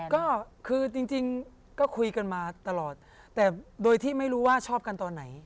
ก็คือจริงก็คุยกันมาตลอดแต่โดยที่ไม่รู้ว่าชอบกันตอนไหน